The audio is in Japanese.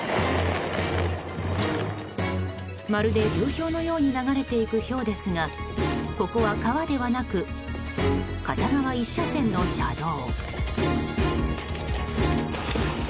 まるで流氷のように流れていくひょうですがここは川ではなく片側一車線の車道。